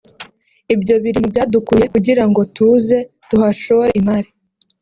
ibyo biri mu byadukuruye kugira ngo tuze tuhashore imari